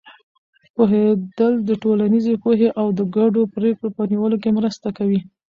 پوهېدل د ټولنیزې پوهې او د ګډو پرېکړو په نیولو کې مرسته کوي.